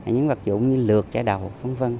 những vật dụng như lượt chải đầu v v